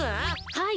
はい。